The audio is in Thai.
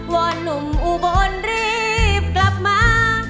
อนหนุ่มอุบลรีบกลับมา